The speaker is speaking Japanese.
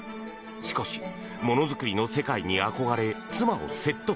しかし、ものづくりの世界に憧れ妻を説得。